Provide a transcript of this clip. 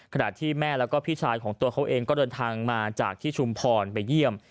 ขณะที่แม่แล้วก็พี่ชายของตัวเขาเองก็เดินทางมาจากที่ชุมพรไปเยี่ยม